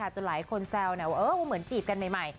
จนหลายคนแซวว่าเหมือนจีบกันใหม่